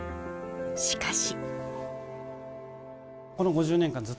しかし。